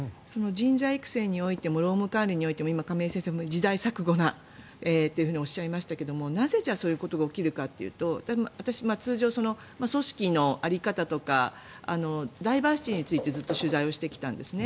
人材育成においても労務管理においても今、亀井先生も時代錯誤とおっしゃいましたけどなぜ、そういうことが起きるかっていうと私、通常、組織の在り方とかダイバーシティーについてずっと取材をしてきたんですね。